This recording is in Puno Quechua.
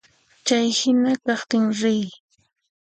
Chay hina kaqtin riy.